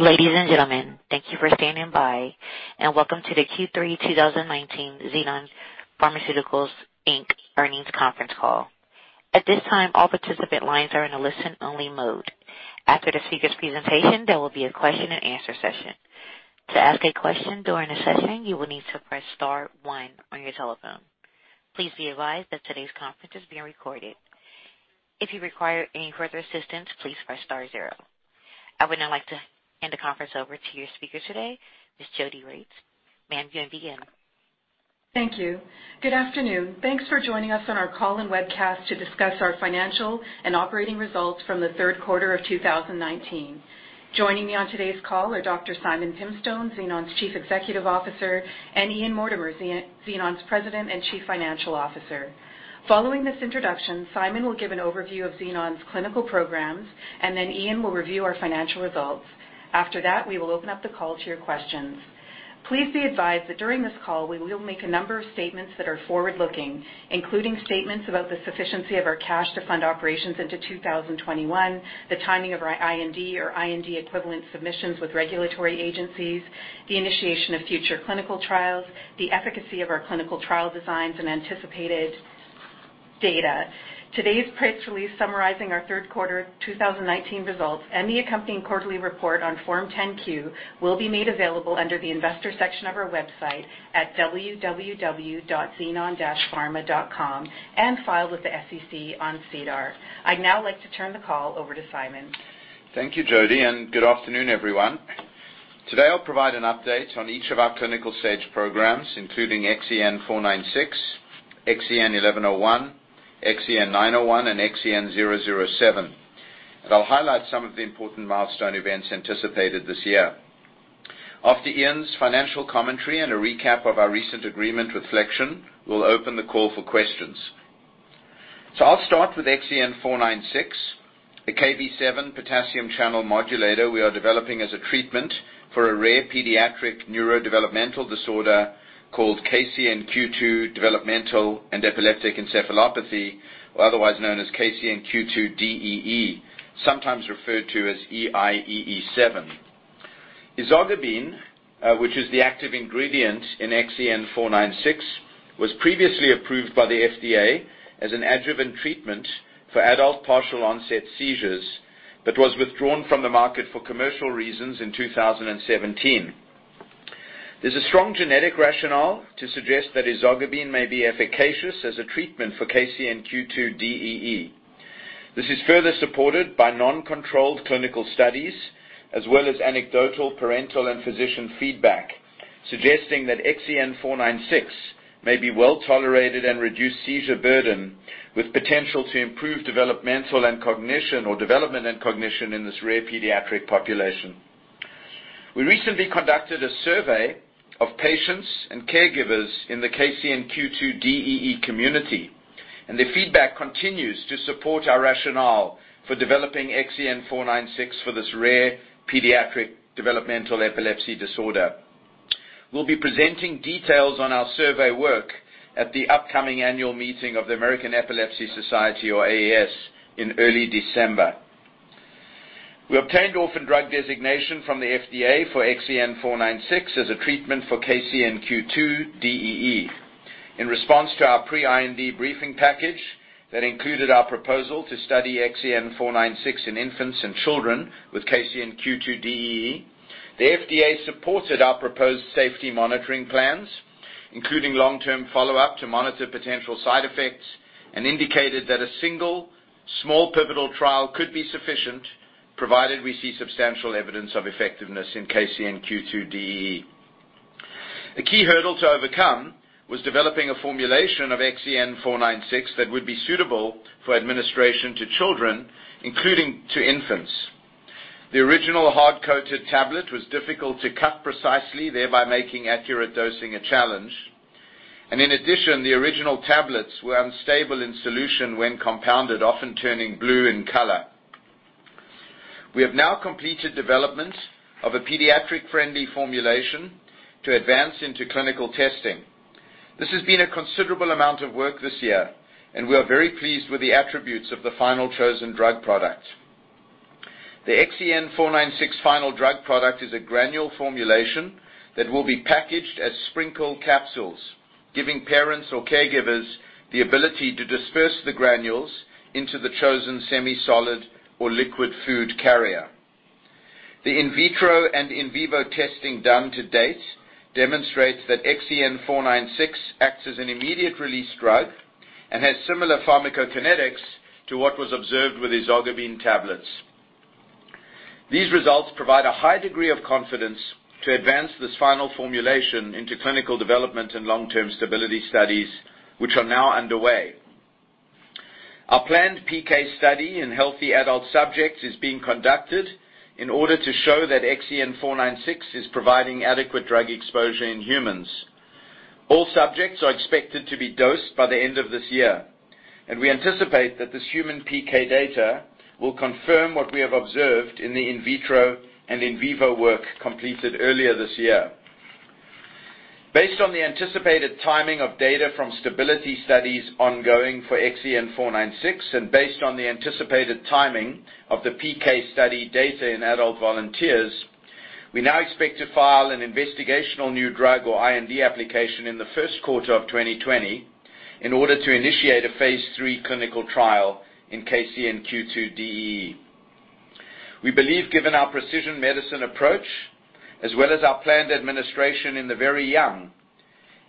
Ladies and gentlemen, thank you for standing by, and welcome to the Q3 2019 Xenon Pharmaceuticals Inc. earnings conference call. At this time, all participant lines are in a listen-only mode. After the speaker's presentation, there will be a question and answer session. To ask a question during the session, you will need to press star one on your telephone. Please be advised that today's conference is being recorded. If you require any further assistance, please press star zero. I would now like to hand the conference over to your speaker today, Ms. Jody Regts. Ma'am, you may begin. Thank you. Good afternoon. Thanks for joining us on our call and webcast to discuss our financial and operating results from the third quarter of 2019. Joining me on today's call are Dr. Simon Pimstone, Xenon's Chief Executive Officer, and Ian Mortimer, Xenon's President and Chief Financial Officer. Following this introduction, Simon will give an overview of Xenon's clinical programs, and then Ian will review our financial results. After that, we will open up the call to your questions. Please be advised that during this call, we will make a number of statements that are forward-looking, including statements about the sufficiency of our cash to fund operations into 2021, the timing of our IND or IND equivalent submissions with regulatory agencies, the initiation of future clinical trials, the efficacy of our clinical trial designs, and anticipated data. Today's press release summarizing our third quarter 2019 results and the accompanying quarterly report on Form 10-Q will be made available under the investor section of our website at www.xenon-pharma.com and filed with the SEC on SEDAR. I'd now like to turn the call over to Simon. Thank you, Jodi, good afternoon, everyone. Today, I'll provide an update on each of our clinical stage programs, including XEN496, XEN1101, XEN901, and XEN007. I'll highlight some of the important milestone events anticipated this year. After Ian's financial commentary and a recap of our recent agreement with Flexion, we'll open the call for questions. I'll start with XEN496, a KV7 potassium channel modulator we are developing as a treatment for a rare pediatric neurodevelopmental disorder called KCNQ2 Developmental and Epileptic Encephalopathy, otherwise known as KCNQ2-DEE, sometimes referred to as EIEE7. Ezogabine, which is the active ingredient in XEN496, was previously approved by the FDA as an adjuvant treatment for adult partial onset seizures but was withdrawn from the market for commercial reasons in 2017. There's a strong genetic rationale to suggest that ezogabine may be efficacious as a treatment for KCNQ2-DEE. This is further supported by non-controlled clinical studies as well as anecdotal parental and physician feedback, suggesting that XEN496 may be well-tolerated and reduce seizure burden with potential to improve developmental and cognition or development and cognition in this rare pediatric population. We recently conducted a survey of patients and caregivers in the KCNQ2-DEE community, and the feedback continues to support our rationale for developing XEN496 for this rare pediatric developmental epilepsy disorder. We'll be presenting details on our survey work at the upcoming annual meeting of the American Epilepsy Society or AES in early December. We obtained orphan drug designation from the FDA for XEN496 as a treatment for KCNQ2-DEE. In response to our pre-IND briefing package that included our proposal to study XEN496 in infants and children with KCNQ2-DEE, the FDA supported our proposed safety monitoring plans, including long-term follow-up to monitor potential side effects, and indicated that a one small pivotal trial could be sufficient, provided we see substantial evidence of effectiveness in KCNQ2-DEE. A key hurdle to overcome was developing a formulation of XEN496 that would be suitable for administration to children, including to infants. The original hard-coated tablet was difficult to cut precisely, thereby making accurate dosing a challenge. In addition, the original tablets were unstable in solution when compounded, often turning blue in color. We have now completed development of a pediatric-friendly formulation to advance into clinical testing. This has been a considerable amount of work this year, and we are very pleased with the attributes of the final chosen drug product. The XEN496 final drug product is a granule formulation that will be packaged as sprinkle capsules, giving parents or caregivers the ability to disperse the granules into the chosen semi-solid or liquid food carrier. The in vitro and in vivo testing done to date demonstrates that XEN496 acts as an immediate-release drug and has similar pharmacokinetics to what was observed with ezogabine tablets. These results provide a high degree of confidence to advance this final formulation into clinical development and long-term stability studies, which are now underway. Our planned PK study in healthy adult subjects is being conducted in order to show that XEN496 is providing adequate drug exposure in humans. All subjects are expected to be dosed by the end of this year, and we anticipate that this human PK data will confirm what we have observed in the in vitro and in vivo work completed earlier this year. Based on the anticipated timing of data from stability studies ongoing for XEN496 and based on the anticipated timing of the PK study data in adult volunteers, we now expect to file an investigational new drug or IND application in the first quarter of 2020 in order to initiate a phase III clinical trial in KCNQ2-DEE. We believe, given our precision medicine approach, as well as our planned administration in the very young,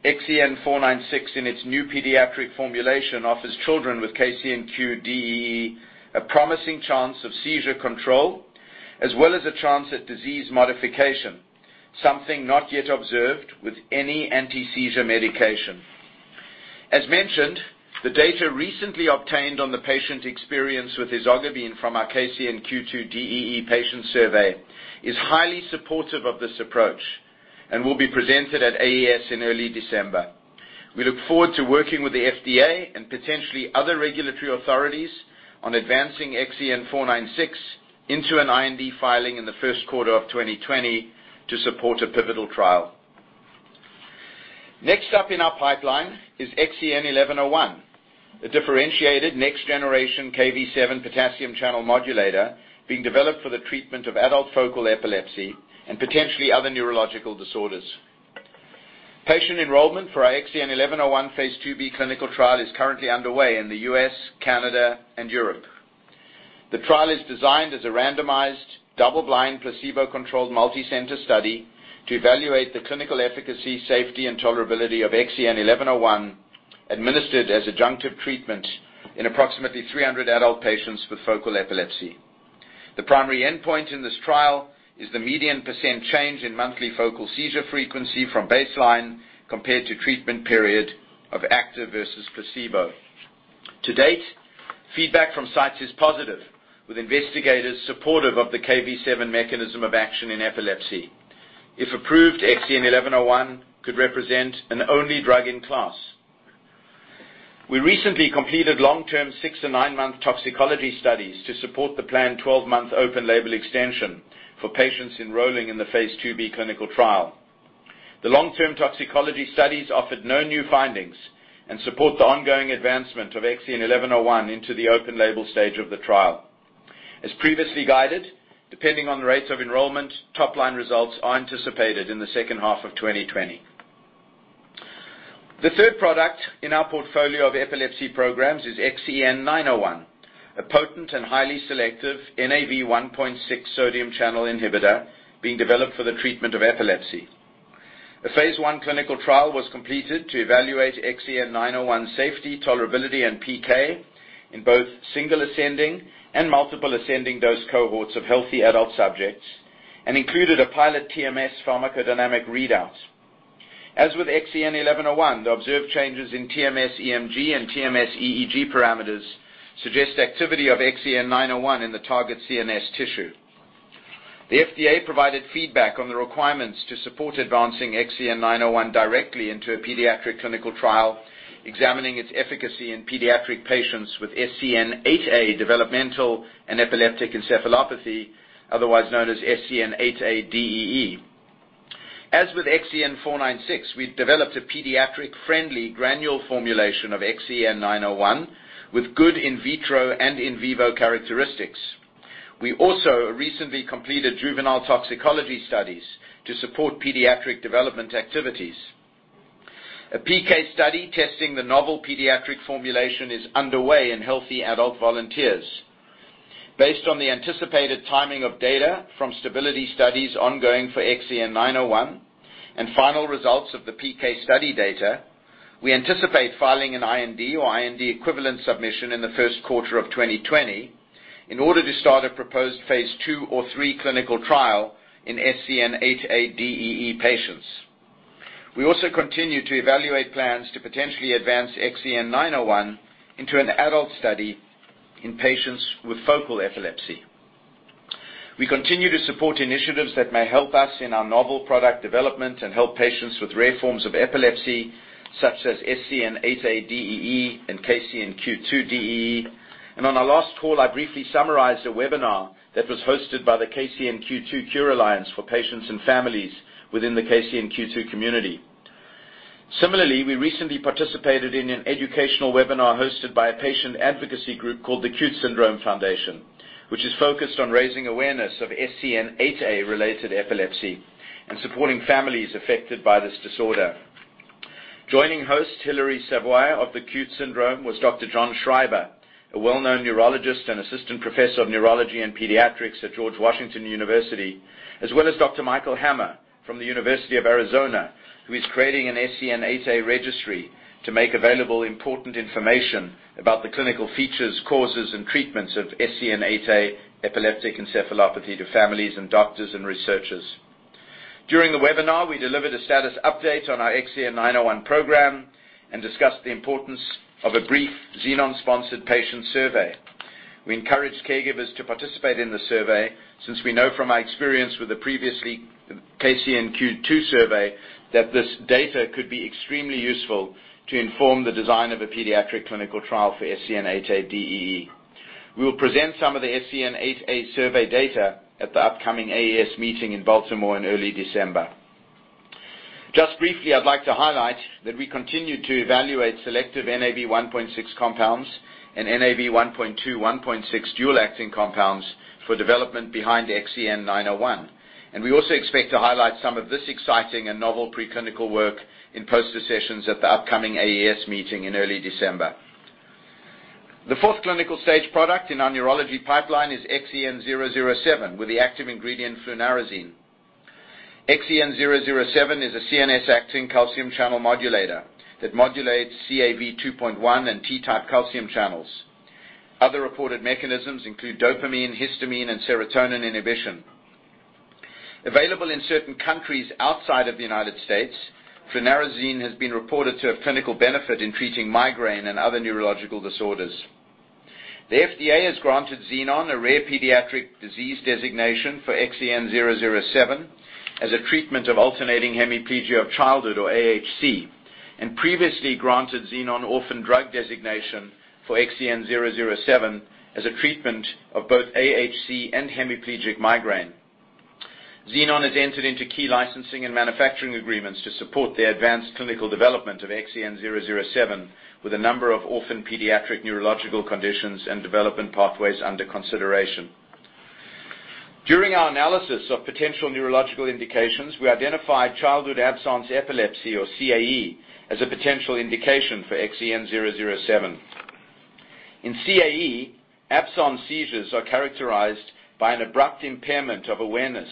XEN496 in its new pediatric formulation offers children with KCNQ2-DEE a promising chance of seizure control as well as a chance at disease modification, something not yet observed with any anti-seizure medication. As mentioned, the data recently obtained on the patient experience with ezogabine from our KCNQ2-DEE patient survey is highly supportive of this approach and will be presented at AES in early December. We look forward to working with the FDA and potentially other regulatory authorities on advancing XEN496 into an IND filing in the first quarter of 2020 to support a pivotal trial. Next up in our pipeline is XEN1101, a differentiated next generation KV7 potassium channel modulator being developed for the treatment of adult focal epilepsy and potentially other neurological disorders. Patient enrollment for our XEN1101 phase II-B clinical trial is currently underway in the U.S., Canada, and Europe. The trial is designed as a randomized, double-blind, placebo-controlled, multicenter study to evaluate the clinical efficacy, safety, and tolerability of XEN1101 administered as adjunctive treatment in approximately 300 adult patients with focal epilepsy. The primary endpoint in this trial is the median % change in monthly focal seizure frequency from baseline compared to treatment period of active versus placebo. To date, feedback from sites is positive, with investigators supportive of the KV7 mechanism of action in epilepsy. If approved, XEN1101 could represent an only drug in class. We recently completed long-term six and nine-month toxicology studies to support the planned 12-month open label extension for patients enrolling in the phase II-B clinical trial. The long-term toxicology studies offered no new findings and support the ongoing advancement of XEN1101 into the open label stage of the trial. As previously guided, depending on the rates of enrollment, top-line results are anticipated in the second half of 2020. The third product in our portfolio of epilepsy programs is XEN901, a potent and highly selective NaV1.6 sodium channel inhibitor being developed for the treatment of epilepsy. A phase I clinical trial was completed to evaluate XEN901 safety, tolerability, and PK in both single ascending and multiple ascending dose cohorts of healthy adult subjects and included a pilot TMS pharmacodynamic readout. As with XEN1101, the observed changes in TMS-EMG and TMS-EEG parameters suggest activity of XEN901 in the target CNS tissue. The FDA provided feedback on the requirements to support advancing XEN901 directly into a pediatric clinical trial examining its efficacy in pediatric patients with SCN8A developmental and epileptic encephalopathy, otherwise known as SCN8A-DEE. As with XEN496, we've developed a pediatric-friendly granule formulation of XEN901 with good in vitro and in vivo characteristics. We also recently completed juvenile toxicology studies to support pediatric development activities. A PK study testing the novel pediatric formulation is underway in healthy adult volunteers. Based on the anticipated timing of data from stability studies ongoing for XEN901 and final results of the PK study data, we anticipate filing an IND or IND equivalent submission in the first quarter of 2020 in order to start a proposed phase II or III clinical trial in SCN8A-DEE patients. We also continue to evaluate plans to potentially advance XEN901 into an adult study in patients with focal epilepsy. We continue to support initiatives that may help us in our novel product development and help patients with rare forms of epilepsy, such as SCN8A-DEE and KCNQ2-DEE. On our last call, I briefly summarized a webinar that was hosted by the KCNQ2 Cure Alliance for patients and families within the KCNQ2 community. Similarly, we recently participated in an educational webinar hosted by a patient advocacy group called The Cute Syndrome Foundation, which is focused on raising awareness of SCN8A related epilepsy and supporting families affected by this disorder. Joining host Hillary Savoie of The Cute Syndrome was Dr. John Schreiber, a well-known neurologist and assistant professor of neurology and pediatrics at George Washington University, as well as Dr. Michael Hammer from the University of Arizona, who is creating an SCN8A registry to make available important information about the clinical features, causes, and treatments of SCN8A epileptic encephalopathy to families and doctors and researchers. During the webinar, we delivered a status update on our XEN901 program and discussed the importance of a brief Xenon-sponsored patient survey. We encourage caregivers to participate in the survey since we know from our experience with the previous KCNQ2 survey that this data could be extremely useful to inform the design of a pediatric clinical trial for SCN8A-DEE. We will present some of the SCN8A survey data at the upcoming AES meeting in Baltimore in early December. Just briefly, I'd like to highlight that we continue to evaluate selective NaV1.6 compounds and NaV1.2/1.6 dual-acting compounds for development behind XEN901. We also expect to highlight some of this exciting and novel preclinical work in poster sessions at the upcoming AES meeting in early December. The fourth clinical stage product in our neurology pipeline is XEN007 with the active ingredient flunarizine. XEN007 is a CNS-acting calcium channel modulator that modulates Cav2.1 and T-type calcium channels. Other reported mechanisms include dopamine, histamine, and serotonin inhibition. Available in certain countries outside of the U.S., flunarizine has been reported to have clinical benefit in treating migraine and other neurological disorders. The FDA has granted Xenon a rare pediatric disease designation for XEN007 as a treatment of alternating hemiplegia of childhood, or AHC, and previously granted Xenon orphan drug designation for XEN007 as a treatment of both AHC and hemiplegic migraine. Xenon has entered into key licensing and manufacturing agreements to support the advanced clinical development of XEN007, with a number of orphan pediatric neurological conditions and development pathways under consideration. During our analysis of potential neurological indications, we identified childhood absence epilepsy, or CAE, as a potential indication for XEN007. In CAE, absence seizures are characterized by an abrupt impairment of awareness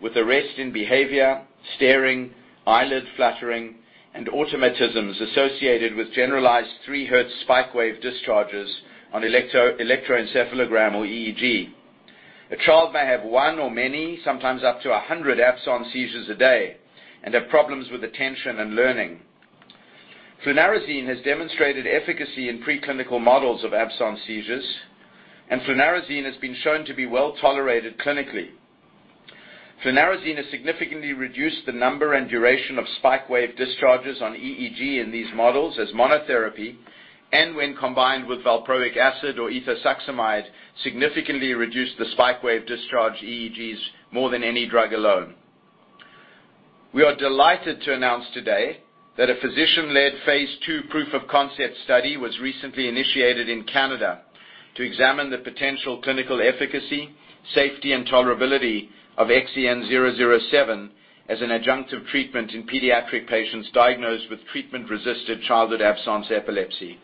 with arrest in behavior, staring, eyelid fluttering, and automatisms associated with generalized three hertz spike wave discharges on electroencephalogram, or EEG. A child may have one or many, sometimes up to 100 absence seizures a day, and have problems with attention and learning. flunarizine has demonstrated efficacy in preclinical models of absence seizures. Flunarizine has been shown to be well-tolerated clinically. flunarizine has significantly reduced the number and duration of spike wave discharges on EEG in these models as monotherapy. When combined with valproic acid or ethosuximide, significantly reduced the spike wave discharge EEGs more than any drug alone. We are delighted to announce today that a physician-led phase II proof of concept study was recently initiated in Canada to examine the potential clinical efficacy, safety, and tolerability of XEN007 as an adjunctive treatment in pediatric patients diagnosed with treatment-resistant Childhood Absence Epilepsy.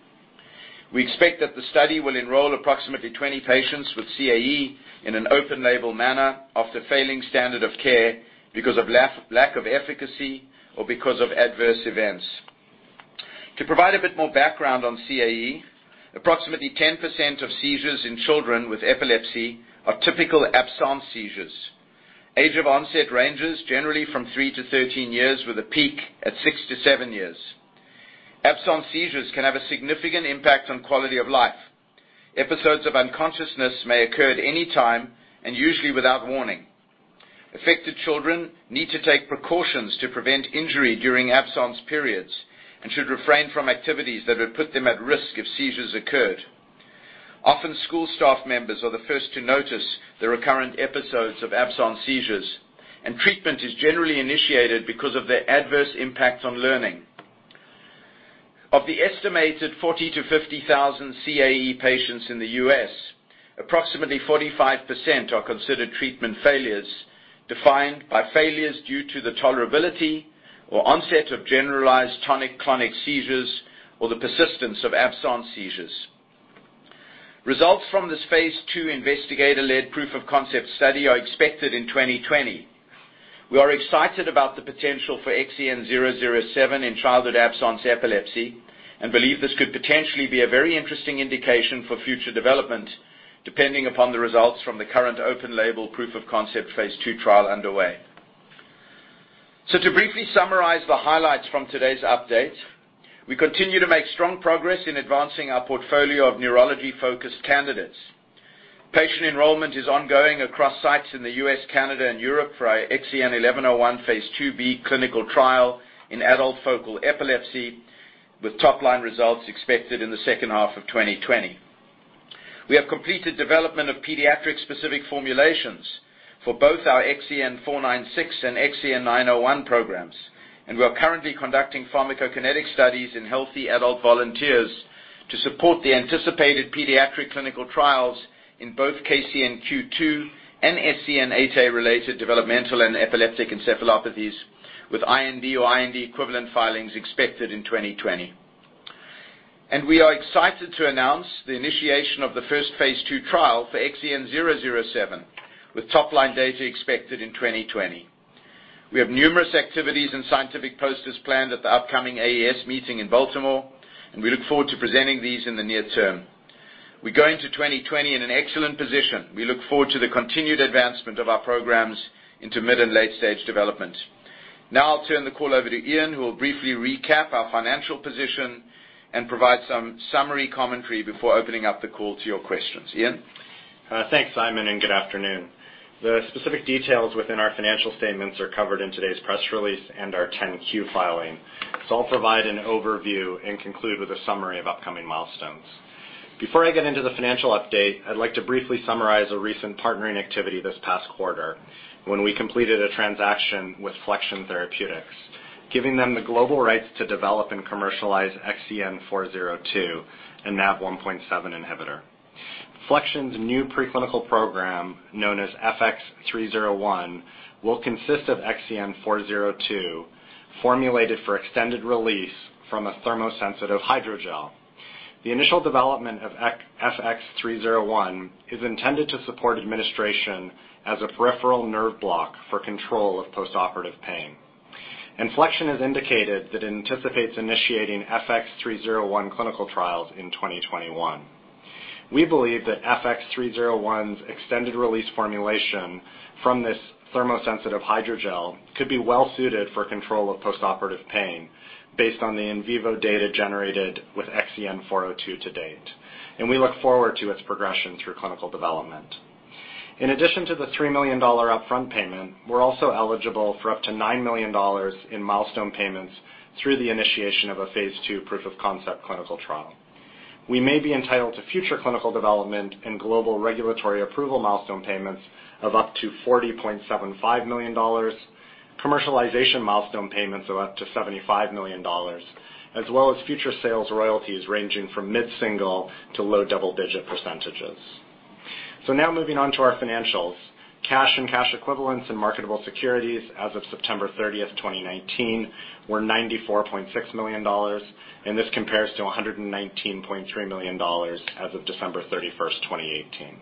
We expect that the study will enroll approximately 20 patients with CAE in an open label manner after failing standard of care because of lack of efficacy or because of adverse events. To provide a bit more background on CAE, approximately 10% of seizures in children with epilepsy are typical absence seizures. Age of onset ranges generally from 3-13 years, with a peak at 6-7 years. Absence seizures can have a significant impact on quality of life. Episodes of unconsciousness may occur at any time, and usually without warning. Affected children need to take precautions to prevent injury during absence periods and should refrain from activities that would put them at risk if seizures occurred. Often, school staff members are the first to notice the recurrent episodes of absence seizures, and treatment is generally initiated because of the adverse impact on learning. Of the estimated 40,000-50,000 CAE patients in the U.S., approximately 45% are considered treatment failures, defined by failures due to the tolerability or onset of generalized tonic-clonic seizures or the persistence of absence seizures. Results from this phase II investigator-led proof of concept study are expected in 2020. We are excited about the potential for XEN007 in childhood absence epilepsy and believe this could potentially be a very interesting indication for future development, depending upon the results from the current open label proof of concept phase II trial underway. To briefly summarize the highlights from today's update, we continue to make strong progress in advancing our portfolio of neurology-focused candidates. Patient enrollment is ongoing across sites in the U.S., Canada, and Europe for our XEN1101 phase II-B clinical trial in adult focal epilepsy, with top line results expected in the second half of 2020. We have completed development of pediatric-specific formulations for both our XEN496 and XEN901 programs, and we are currently conducting pharmacokinetic studies in healthy adult volunteers to support the anticipated pediatric clinical trials in both KCNQ2 and SCN8A-related developmental and epileptic encephalopathies with IND or IND equivalent filings expected in 2020. We are excited to announce the initiation of the first phase II trial for XEN007, with top line data expected in 2020. We have numerous activities and scientific posters planned at the upcoming AES meeting in Baltimore, and we look forward to presenting these in the near term. We go into 2020 in an excellent position. We look forward to the continued advancement of our programs into mid and late-stage development. Now I'll turn the call over to Ian, who will briefly recap our financial position and provide some summary commentary before opening up the call to your questions. Ian? Thanks, Simon, and good afternoon. The specific details within our financial statements are covered in today's press release and our 10-Q filing. I'll provide an overview and conclude with a summary of upcoming milestones. Before I get into the financial update, I'd like to briefly summarize a recent partnering activity this past quarter when we completed a transaction with Flexion Therapeutics, giving them the global rights to develop and commercialize XEN402 and NaV1.7 inhibitor. Flexion's new preclinical program, known as FX301, will consist of XEN402, formulated for extended release from a thermosensitive hydrogel. The initial development of FX301 is intended to support administration as a peripheral nerve block for control of postoperative pain. Flexion has indicated that it anticipates initiating FX301 clinical trials in 2021. We believe that FX301's extended release formulation from this thermosensitive hydrogel could be well-suited for control of postoperative pain based on the in vivo data generated with XEN402 to date. We look forward to its progression through clinical development. In addition to the $3 million upfront payment, we're also eligible for up to $9 million in milestone payments through the initiation of a phase II proof of concept clinical trial. We may be entitled to future clinical development and global regulatory approval milestone payments of up to $40.75 million, commercialization milestone payments of up to $75 million, as well as future sales royalties ranging from mid-single to low double-digit %. Now moving on to our financials. Cash and cash equivalents and marketable securities as of September 30th, 2019, were $94.6 million. This compares to $119.3 million as of December 31st, 2018.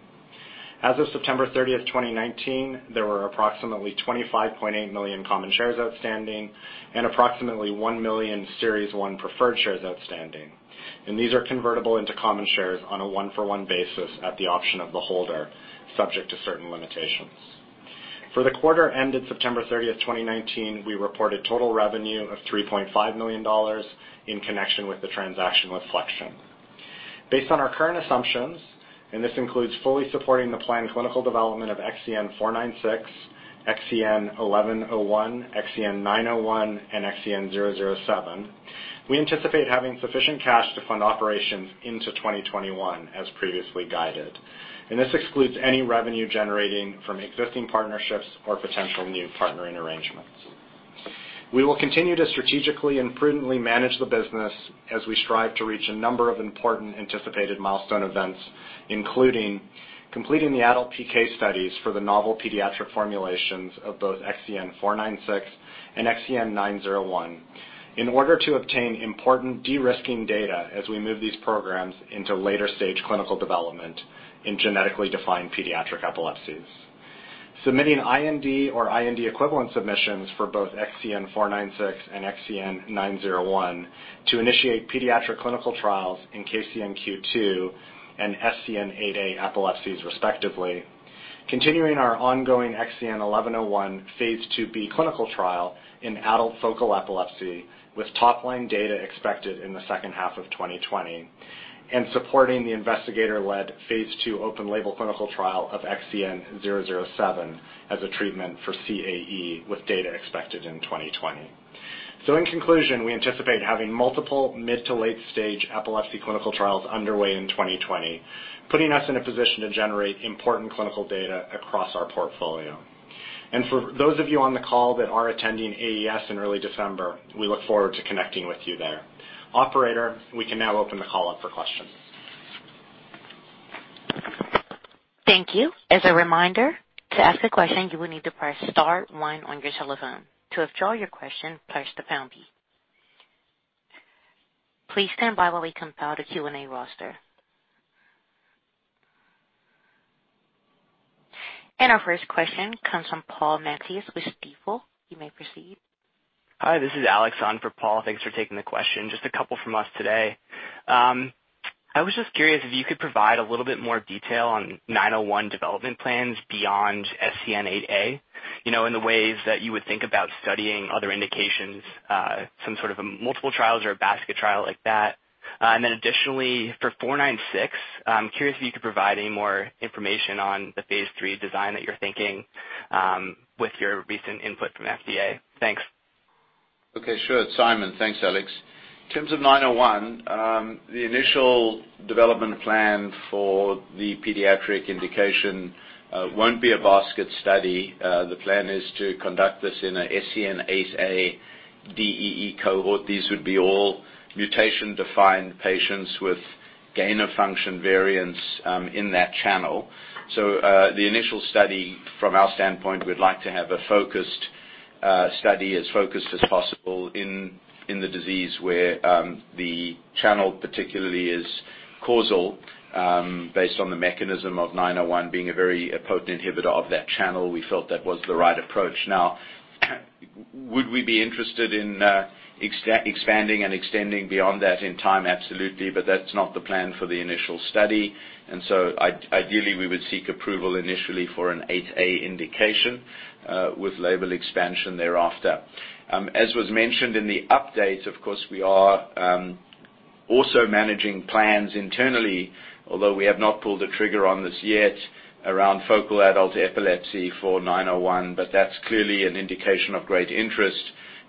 As of September 30th, 2019, there were approximately 25.8 million common shares outstanding and approximately 1 million Series 1 preferred shares outstanding. These are convertible into common shares on a one-for-one basis at the option of the holder, subject to certain limitations. For the quarter ended September 30th, 2019, we reported total revenue of $3.5 million in connection with the transaction with Flexion. Based on our current assumptions, this includes fully supporting the planned clinical development of XEN496, XEN1101, XEN901, and XEN007, we anticipate having sufficient cash to fund operations into 2021 as previously guided. This excludes any revenue generating from existing partnerships or potential new partnering arrangements. We will continue to strategically and prudently manage the business as we strive to reach a number of important anticipated milestone events, including completing the adult PK studies for the novel pediatric formulations of both XEN496 and XEN901 in order to obtain important de-risking data as we move these programs into later-stage clinical development in genetically defined pediatric epilepsies. Submitting IND or IND equivalent submissions for both XEN496 and XEN901 to initiate pediatric clinical trials in KCNQ2 and SCN8A epilepsies, respectively. Continuing our ongoing XEN1101 phase IIb clinical trial in adult focal epilepsy, with top line data expected in the second half of 2020. Supporting the investigator-led phase II open label clinical trial of XEN007 as a treatment for CAE with data expected in 2020. In conclusion, we anticipate having multiple mid to late-stage epilepsy clinical trials underway in 2020, putting us in a position to generate important clinical data across our portfolio. For those of you on the call that are attending AES in early December, we look forward to connecting with you there. Operator, we can now open the call up for questions. Thank you. As a reminder, to ask a question, you will need to press star 1 on your telephone. To withdraw your question, press the pound key. Please stand by while we compile the Q&A roster. Our first question comes from Paul Matteis with Stifel. You may proceed. Hi, this is Alex on for Paul. Thanks for taking the question. Just a couple from us today. I was just curious if you could provide a little bit more detail on 901 development plans beyond SCN8A, in the ways that you would think about studying other indications, some sort of multiple trials or a basket trial like that. Additionally, for 496, I'm curious if you could provide any more information on the phase III design that you're thinking with your recent input from FDA. Thanks. Okay, sure. It's Simon. Thanks, Alex. In terms of 901, the initial development plan for the pediatric indication won't be a basket study. The plan is to conduct this in a SCN8A-DEE cohort. These would be all mutation-defined patients with gain-of-function variants in that channel. The initial study from our standpoint, we'd like to have a study as focused as possible in the disease where the channel particularly is causal, based on the mechanism of 901 being a very potent inhibitor of that channel. Would we be interested in expanding and extending beyond that in time? Absolutely. That's not the plan for the initial study. Ideally, we would seek approval initially for an 8A indication with label expansion thereafter. As was mentioned in the update, of course, we are. Also managing plans internally, although we have not pulled the trigger on this yet, around focal adult epilepsy for XEN901. That's clearly an indication of great interest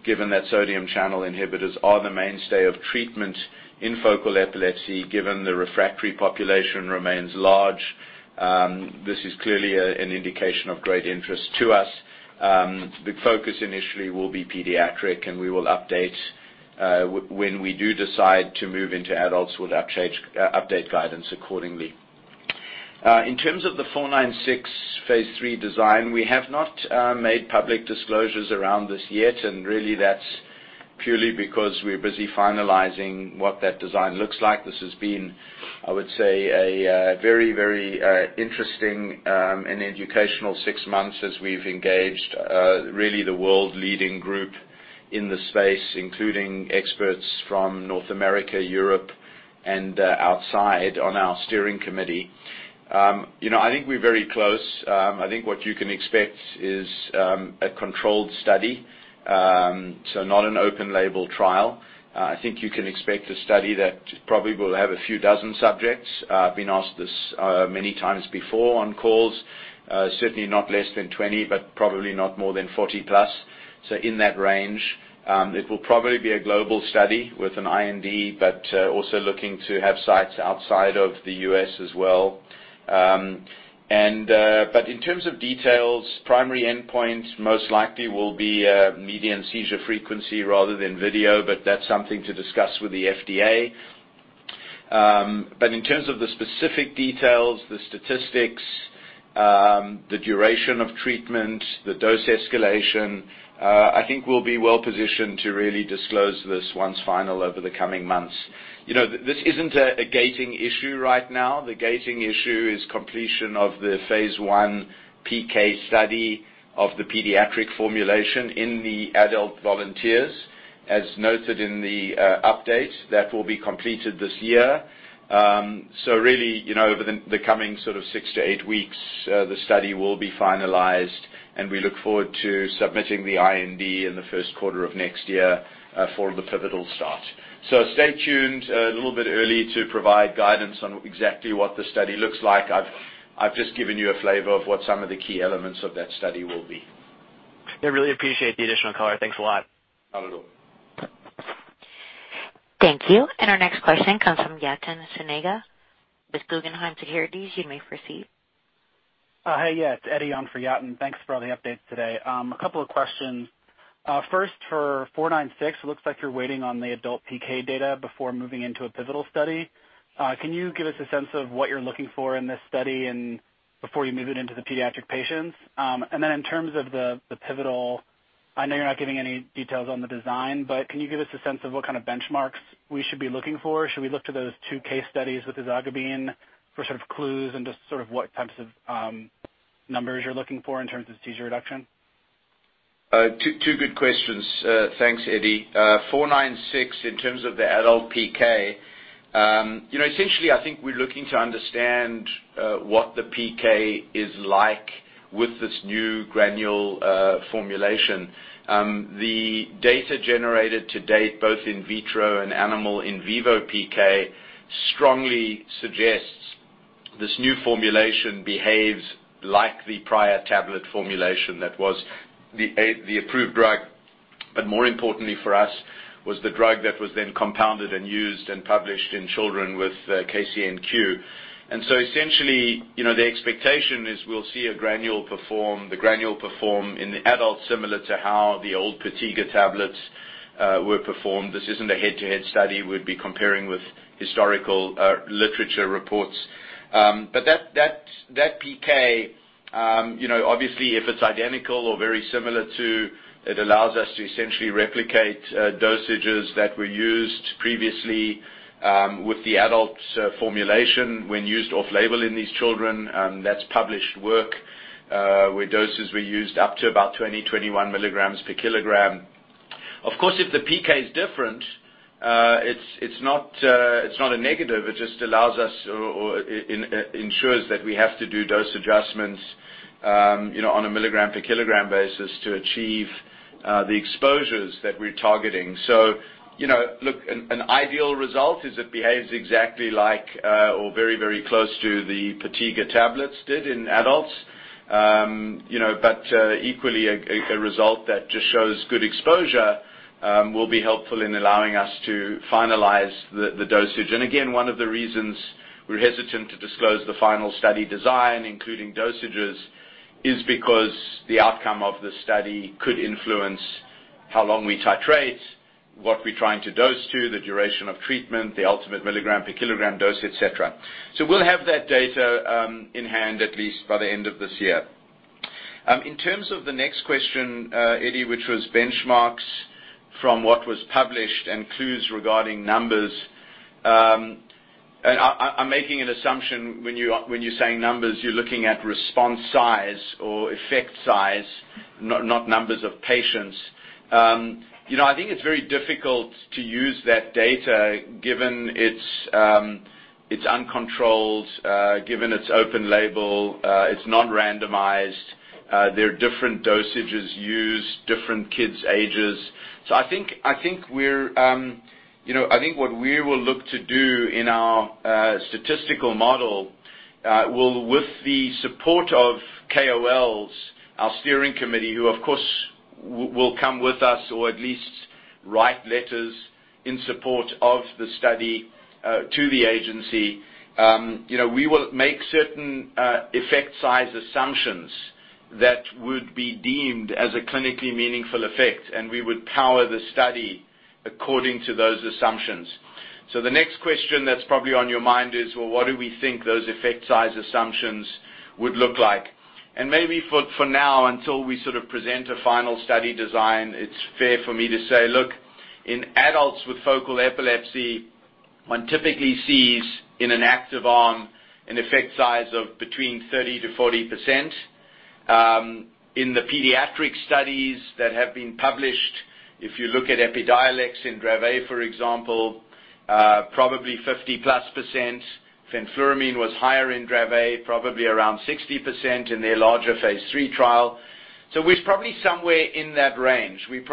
given that sodium channel inhibitors are the mainstay of treatment in focal epilepsy, given the refractory population remains large. This is clearly an indication of great interest to us. The focus initially will be pediatric, and we will update when we do decide to move into adults, we'll update guidance accordingly. In terms of the XEN496 phase III design, we have not made public disclosures around this yet, and really that's purely because we're busy finalizing what that design looks like. This has been, I would say, a very interesting and educational six months as we've engaged really the world-leading group in this space, including experts from North America, Europe, and outside on our steering committee. I think we're very close. I think what you can expect is a controlled study. Not an open-label trial. I think you can expect a study that probably will have a few dozen subjects. I've been asked this many times before on calls. Certainly not less than 20, but probably not more than 40 plus, in that range. It will probably be a global study with an IND, also looking to have sites outside of the U.S. as well. In terms of details, primary endpoint most likely will be median seizure frequency rather than video, that's something to discuss with the FDA. In terms of the specific details, the statistics, the duration of treatment, the dose escalation, I think we'll be well-positioned to really disclose this once final over the coming months. This isn't a gating issue right now. The gating issue is completion of the phase I PK study of the pediatric formulation in the adult volunteers. As noted in the update, that will be completed this year. Really, over the coming six to eight weeks, the study will be finalized, and we look forward to submitting the IND in the first quarter of next year for the pivotal start. Stay tuned a little bit early to provide guidance on exactly what the study looks like. I've just given you a flavor of what some of the key elements of that study will be. I really appreciate the additional color. Thanks a lot. Not at all. Thank you. Our next question comes from Yatin Suneja with Guggenheim Securities. You may proceed. Hi. Yeah, it's Eddie on for Yatin. Thanks for all the updates today. A couple of questions. First, for 496, it looks like you're waiting on the adult PK data before moving into a pivotal study. Can you give us a sense of what you're looking for in this study and before you move it into the pediatric patients? In terms of the pivotal, I know you're not giving any details on the design, but can you give us a sense of what kind of benchmarks we should be looking for? Should we look to those two case studies with ezogabine for sort of clues into sort of what types of numbers you're looking for in terms of seizure reduction? Two good questions. Thanks, Eddie. 496, in terms of the adult PK, essentially I think we're looking to understand what the PK is like with this new granule formulation. The data generated to date, both in vitro and animal in vivo PK, strongly suggests this new formulation behaves like the prior tablet formulation that was the approved drug. More importantly for us was the drug that was then compounded and used and published in "Children with KCNQ." Essentially, the expectation is we'll see the granule perform in the adult similar to how the old Potiga tablets were performed. This isn't a head-to-head study. We'd be comparing with historical literature reports. That PK, obviously, if it's identical or very similar to, it allows us to essentially replicate dosages that were used previously with the adult formulation when used off-label in these children. That's published work, where doses were used up to about 20, 21 milligrams per kilogram. Of course, if the PK is different, it's not a negative. It just allows us or ensures that we have to do dose adjustments on a milligram per kilogram basis to achieve the exposures that we're targeting. Look, an ideal result is it behaves exactly like or very close to the Potiga tablets did in adults. Equally, a result that just shows good exposure will be helpful in allowing us to finalize the dosage. Again, one of the reasons we're hesitant to disclose the final study design, including dosages, is because the outcome of the study could influence how long we titrate, what we're trying to dose to, the duration of treatment, the ultimate milligram per kilogram dose, et cetera. We'll have that data in hand at least by the end of this year. In terms of the next question, Eddie, which was benchmarks from what was published and clues regarding numbers. I'm making an assumption when you're saying numbers, you're looking at response size or effect size, not numbers of patients. I think it's very difficult to use that data given It's uncontrolled, given its open label, it's non-randomized. There are different dosages used, different kids' ages. I think what we will look to do in our statistical model will, with the support of KOLs, our steering committee, who, of course, will come with us or at least write letters in support of the study to the agency. We will make certain effect size assumptions that would be deemed as a clinically meaningful effect, and we would power the study according to those assumptions. The next question that's probably on your mind is: Well, what do we think those effect size assumptions would look like? Maybe for now, until we sort of present a final study design, it's fair for me to say, look, in adults with focal epilepsy, one typically sees in an active arm an effect size of between 30%-40%. In the pediatric studies that have been published, if you look at Epidiolex and Dravet, for example, probably 50%-plus. fenfluramine was higher in Dravet, probably around 60% in their larger phase III trial. We're probably somewhere in that range. It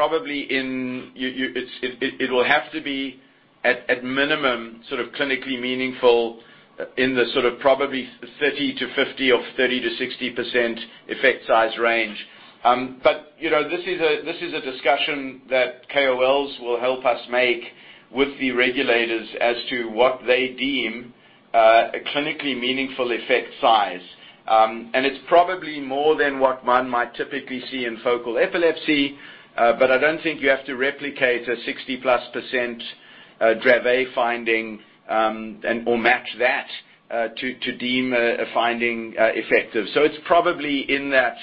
will have to be at minimum sort of clinically meaningful in the sort of probably 30%-50% or 30%-60% effect size range. This is a discussion that KOLs will help us make with the regulators as to what they deem a clinically meaningful effect size. It's probably more than what one might typically see in focal epilepsy. I don't think you have to replicate a 60-plus% Dravet finding, or match that, to deem a finding effective. It's probably in that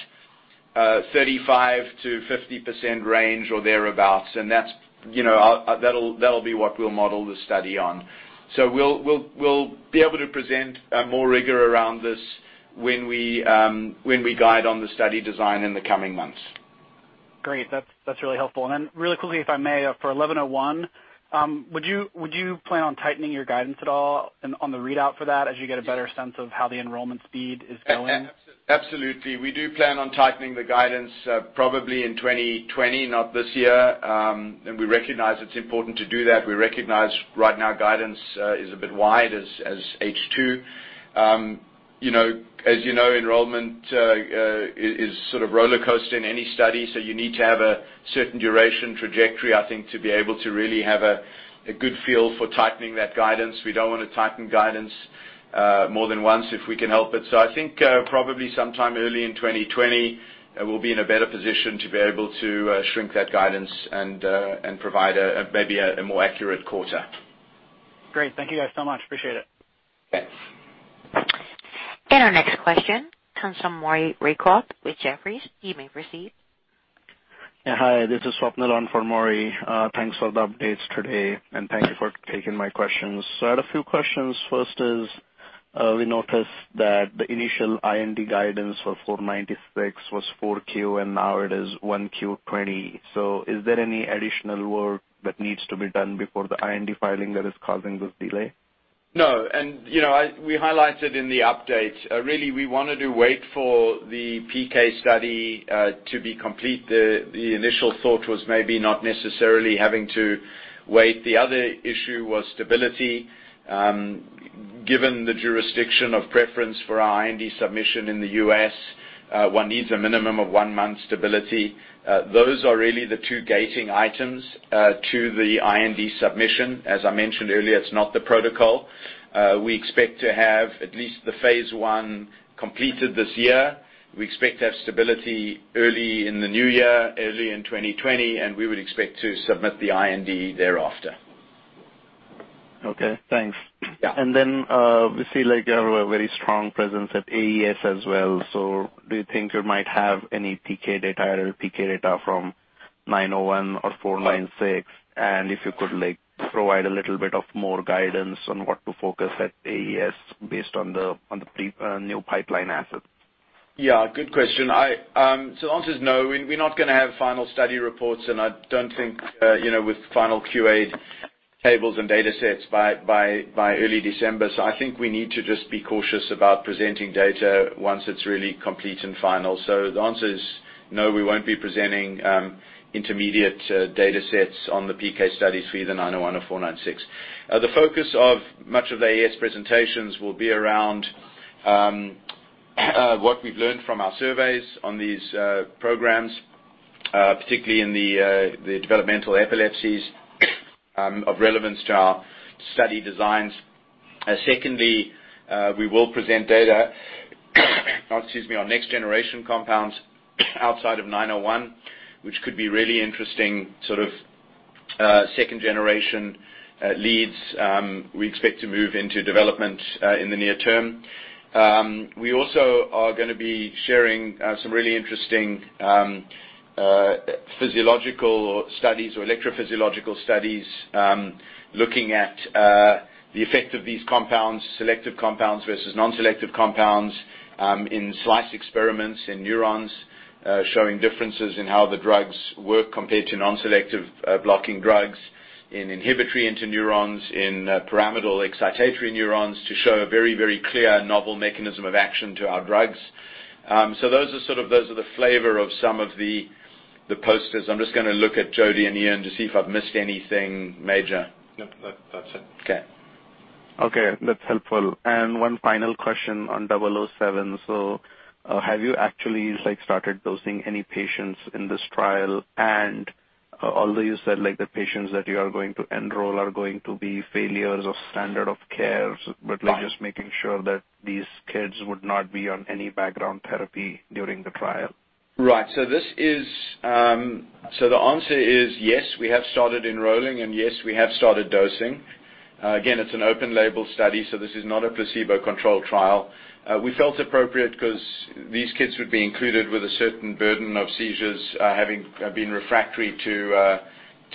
35%-50% range or thereabout, and that'll be what we'll model the study on. We'll be able to present more rigor around this when we guide on the study design in the coming months. Great. That's really helpful. Really quickly, if I may, for 1101, would you plan on tightening your guidance at all and on the readout for that as you get a better sense of how the enrollment speed is going? Absolutely. We do plan on tightening the guidance probably in 2020, not this year. We recognize it's important to do that. We recognize right now guidance is a bit wide as H2. As you know, enrollment is sort of roller coast in any study, you need to have a certain duration trajectory, I think, to be able to really have a good feel for tightening that guidance. We don't want to tighten guidance more than once if we can help it. I think probably sometime early in 2020, we'll be in a better position to be able to shrink that guidance and provide maybe a more accurate quarter. Great. Thank you guys so much. Appreciate it. Thanks. Our next question comes from Maury Raycroft with Jefferies. You may proceed. Yeah. Hi, this is Swapnil on for Maury. Thanks for the updates today, and thank you for taking my questions. I had a few questions. First is, we noticed that the initial IND guidance for 496 was 4Q, and now it is 1Q 2020. Is there any additional work that needs to be done before the IND filing that is causing this delay? No, we highlighted in the update. Really, we wanted to wait for the PK study to be complete. The initial thought was maybe not necessarily having to wait. The other issue was stability. Given the jurisdiction of preference for our IND submission in the U.S., one needs a minimum of one month stability. Those are really the two gating items to the IND submission. As I mentioned earlier, it's not the protocol. We expect to have at least the phase I completed this year. We expect to have stability early in the new year, early in 2020, we would expect to submit the IND thereafter. Okay, thanks. Yeah. We see you have a very strong presence at AES as well. Do you think you might have any PK data from 901 or 496? If you could provide a little bit of more guidance on what to focus at AES based on the new pipeline assets. Yeah, good question. The answer is no. We're not going to have final study reports, and I don't think with final QA tables and datasets by early December. I think we need to just be cautious about presenting data once it's really complete and final. The answer is no, we won't be presenting intermediate datasets on the PK studies for either XEN901 or XEN496. The focus of much of the AES presentations will be around what we've learned from our surveys on these programs, particularly in the developmental epilepsies of relevance to our study designs. Secondly, we will present data on our next-generation compounds outside of XEN901, which could be really interesting sort of second-generation leads we expect to move into development in the near term. We also are going to be sharing some really interesting physiological studies or electrophysiological studies looking at the effect of these compounds, selective compounds versus non-selective compounds in slice experiments in neurons, showing differences in how the drugs work compared to non-selective blocking drugs, in inhibitory interneurons, in pyramidal excitatory neurons to show a very clear novel mechanism of action to our drugs. Those are the flavor of some of the posters. I'm just going to look at Jodi and Ian to see if I've missed anything major. No, that's it. Okay. Okay. That's helpful. One final question on XEN007. Have you actually started dosing any patients in this trial? Although you said the patients that you are going to enroll are going to be failures of standard of care. Right You're just making sure that these kids would not be on any background therapy during the trial? Right. The answer is yes, we have started enrolling, and yes, we have started dosing. Again, it's an open label study, so this is not a placebo-controlled trial. We felt appropriate because these kids would be included with a certain burden of seizures, having been refractory to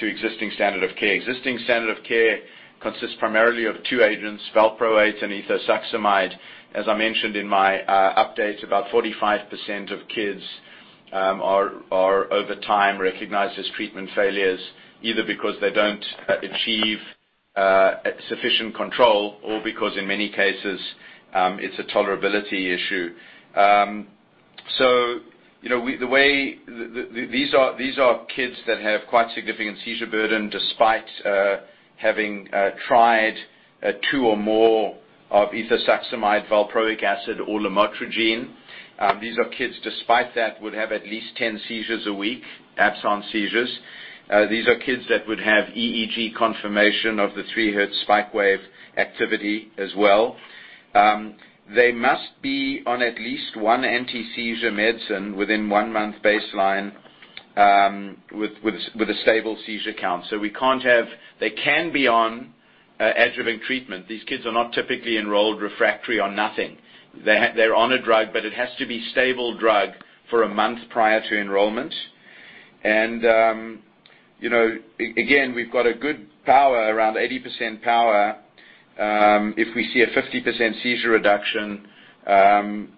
existing standard of care. Existing standard of care consists primarily of two agents, valproate and ethosuximide. As I mentioned in my update, about 45% of kids are over time recognized as treatment failures, either because they don't achieve sufficient control or because in many cases, it's a tolerability issue. These are kids that have quite significant seizure burden despite having tried two or more of ethosuximide, valproic acid or lamotrigine. These are kids, despite that, would have at least 10 seizures a week, absence seizures. These are kids that would have EEG confirmation of the three hertz spike wave activity as well. They must be on at least one anti-seizure medicine within one month baseline, with a stable seizure count. They can be on adjuvant treatment. These kids are not typically enrolled refractory or nothing. They're on a drug, but it has to be stable drug for a month prior to enrollment. Again, we've got a good power, around 80% power. If we see a 50% seizure reduction,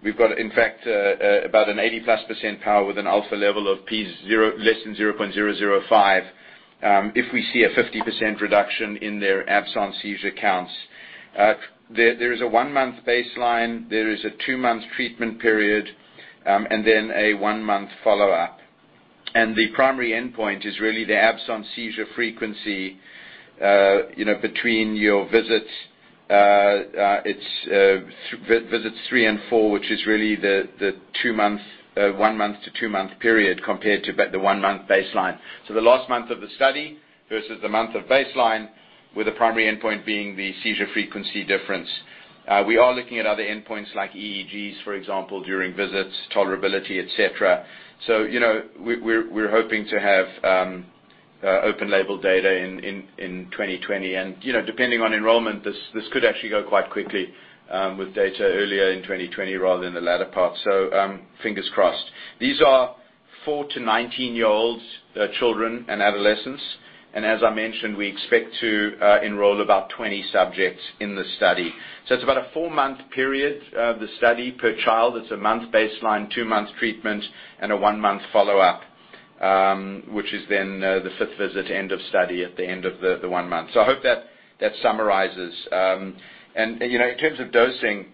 we've got in fact about an 80-plus percent power with an alpha level of P less than 0.005, if we see a 50% reduction in their absence seizure counts. There is a one-month baseline, there is a two-month treatment period, and then a one-month follow-up. The primary endpoint is really the absence seizure frequency between your visits. It's visits three and four, which is really the one-month to two-month period compared to the one-month baseline. The last month of the study versus the month of baseline, with the primary endpoint being the seizure frequency difference. We are looking at other endpoints like EEGs, for example, during visits, tolerability, et cetera. We're hoping to have open label data in 2020. Depending on enrollment, this could actually go quite quickly with data earlier in 2020 rather than the latter part. Fingers crossed. These are 4 to 19-year-olds, children and adolescents. As I mentioned, we expect to enroll about 20 subjects in the study. It's about a four-month period of the study per child. It's a month baseline, two months treatment, and a one-month follow-up, which is then the fifth visit end of study at the end of the one month. I hope that summarizes. In terms of dosing,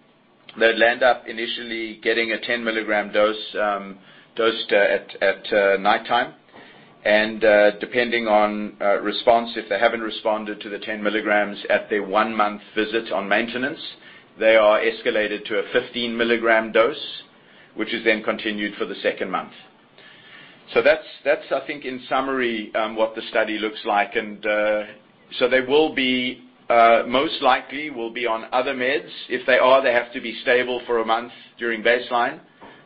they'd land up initially getting a 10 milligram dosed at nighttime. Depending on response, if they haven't responded to the 10 milligrams at their one-month visit on maintenance, they are escalated to a 15 milligram dose, which is then continued for the second month. That's, I think, in summary what the study looks like. They most likely will be on other meds. If they are, they have to be stable for a month during baseline.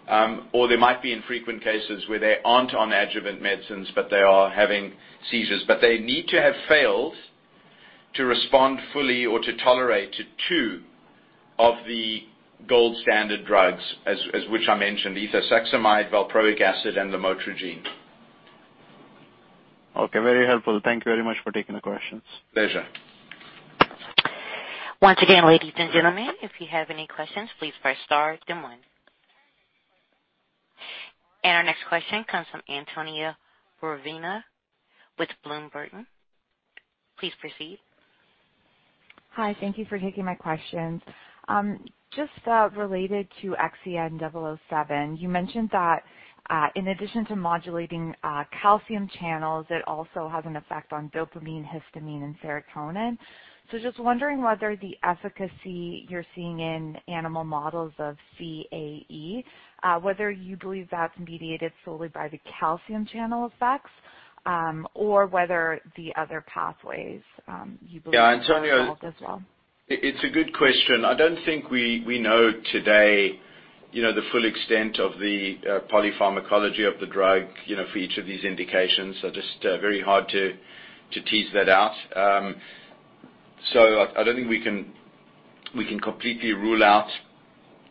There might be infrequent cases where they aren't on adjuvant medicines, but they are having seizures. They need to have failed to respond fully or to tolerate to two of the gold standard drugs, as which I mentioned, ethosuximide, valproic acid, and lamotrigine. Okay. Very helpful. Thank you very much for taking the questions. Pleasure. Once again, ladies and gentlemen, if you have any questions, please press star then one. Our next question comes from Antonia Burina with Bloomberg. Please proceed. Hi. Thank you for taking my questions. Just related to XEN007, you mentioned that in addition to modulating calcium channels, it also has an effect on dopamine, histamine, and serotonin. Just wondering whether the efficacy you're seeing in animal models of CAE, whether you believe that's mediated solely by the calcium channel effects, or whether the other pathways? Yeah, Antonia- are involved as well. It's a good question. I don't think we know today the full extent of the polypharmacology of the drug for each of these indications. Just very hard to tease that out. I don't think we can completely rule out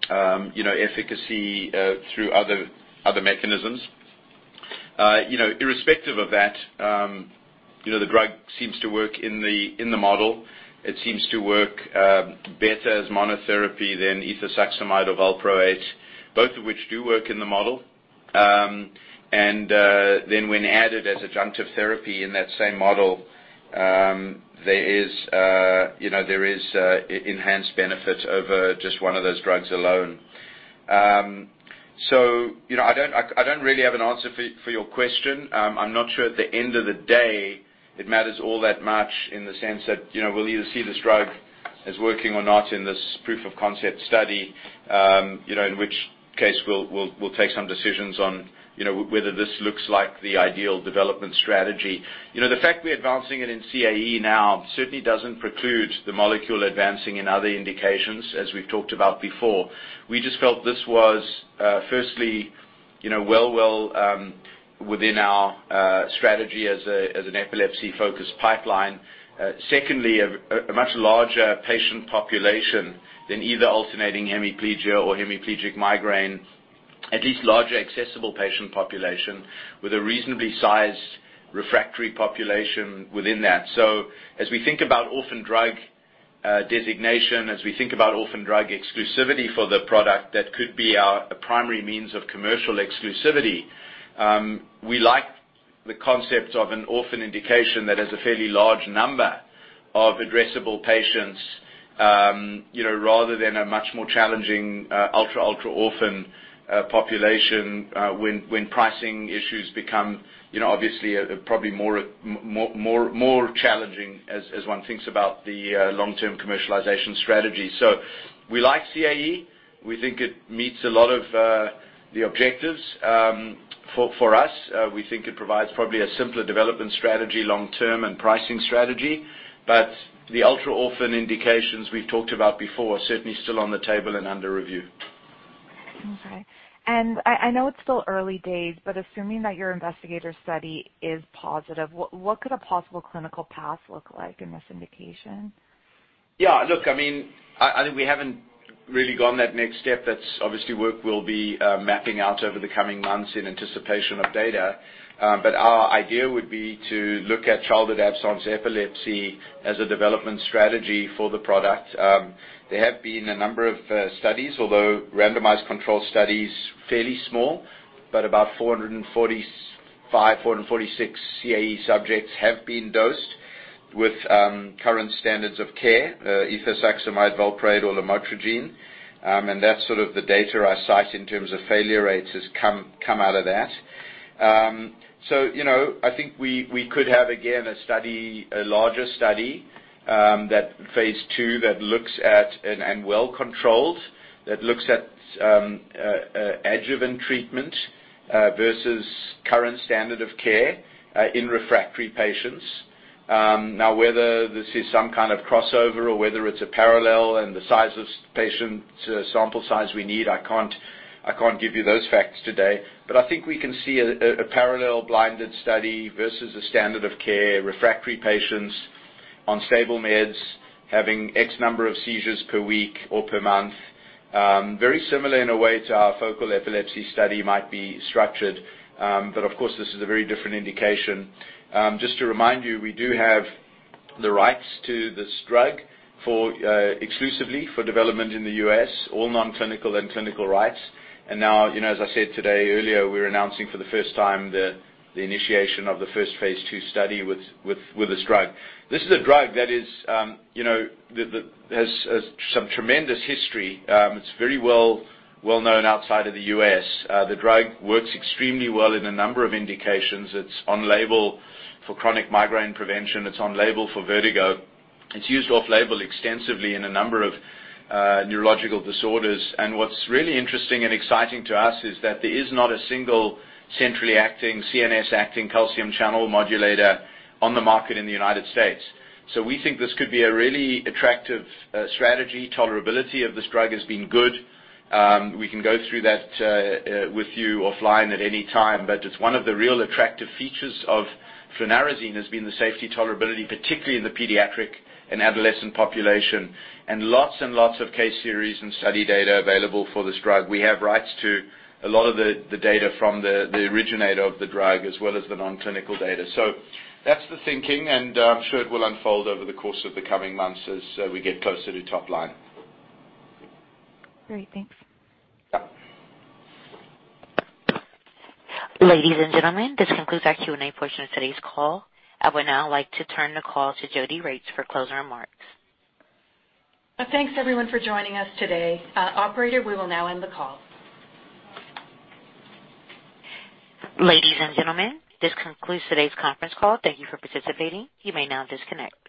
efficacy through other mechanisms. Irrespective of that, the drug seems to work in the model. It seems to work better as monotherapy than ethosuximide or valproate, both of which do work in the model. When added as adjunctive therapy in that same model, there is enhanced benefit over just one of those drugs alone. I don't really have an answer for your question. I'm not sure at the end of the day, it matters all that much in the sense that we'll either see this drug as working or not in this proof of concept study, in which case we'll take some decisions on whether this looks like the ideal development strategy. The fact we're advancing it in CAE now certainly doesn't preclude the molecule advancing in other indications, as we've talked about before. We just felt this was, firstly, well within our strategy as an epilepsy-focused pipeline. Secondly, a much larger patient population than either alternating hemiplegia or hemiplegic migraine, at least larger accessible patient population with a reasonably sized refractory population within that. As we think about orphan drug designation, as we think about orphan drug exclusivity for the product, that could be our primary means of commercial exclusivity. We like the concept of an orphan indication that has a fairly large number of addressable patients, rather than a much more challenging ultra-orphan population, when pricing issues become obviously, probably more challenging as one thinks about the long-term commercialization strategy. We like CAE. We think it meets a lot of the objectives. For us, we think it provides probably a simpler development strategy long-term and pricing strategy. The ultra-orphan indications we've talked about before are certainly still on the table and under review. Okay. I know it's still early days, but assuming that your investigator study is positive, what could a possible clinical path look like in this indication? Look, I think we haven't really gone that next step. That's obviously work we'll be mapping out over the coming months in anticipation of data. But our idea would be to look at childhood absence epilepsy as a development strategy for the product. There have been a number of studies, although randomized control studies, fairly small, but about 445, 446 CAE subjects have been dosed with current standards of care, ethosuximide, valproate, or lamotrigine. That's sort of the data I cite in terms of failure rates has come out of that. So I think we could have, again, a larger study, phase II, and well-controlled, that looks at adjuvant treatment versus current standard of care in refractory patients. Now, whether this is some kind of crossover or whether it's a parallel and the size of patient sample size we need, I can't give you those facts today. I think we can see a parallel-blinded study versus a standard of care, refractory patients on stable meds, having X number of seizures per week or per month. Very similar in a way to our focal epilepsy study might be structured, but of course, this is a very different indication. Just to remind you, we do have the rights to this drug exclusively for development in the U.S., all non-clinical and clinical rights. Now, as I said today earlier, we're announcing for the first time the initiation of the first phase II study with this drug. This is a drug that has some tremendous history. It's very well known outside of the U.S. The drug works extremely well in a number of indications. It's on label for chronic migraine prevention. It's on label for vertigo. It's used off label extensively in a number of neurological disorders. What's really interesting and exciting to us is that there is not a single centrally acting, CNS acting calcium channel modulator on the market in the United States. We think this could be a really attractive strategy. Tolerability of this drug has been good. We can go through that with you offline at any time, but it's one of the real attractive features of flunarizine has been the safety tolerability, particularly in the pediatric and adolescent population, and lots and lots of case series and study data available for this drug. We have rights to a lot of the data from the originator of the drug as well as the non-clinical data. That's the thinking, and I'm sure it will unfold over the course of the coming months as we get closer to top line. Great. Thanks. Yeah. Ladies and gentlemen, this concludes our Q&A portion of today's call. I would now like to turn the call to Jodi Regts for closing remarks. Thanks everyone for joining us today. Operator, we will now end the call. Ladies and gentlemen, this concludes today's conference call. Thank you for participating. You may now disconnect.